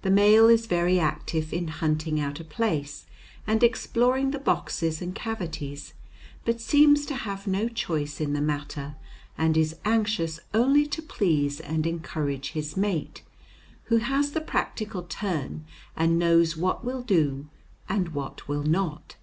The male is very active in hunting out a place and exploring the boxes and cavities, but seems to have no choice in the matter and is anxious only to please and encourage his mate, who has the practical turn and knows what will do and what will not.